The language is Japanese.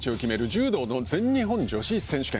柔道の全日本女子選手権。